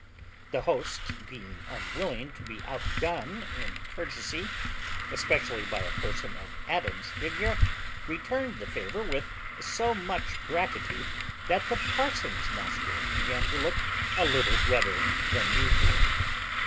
The host, being unwilling to be outdone in courtesy, especially by a person of Adams's figure, returned the favour with so much gratitude, that the parson's nostrils began to look a little redder than usual.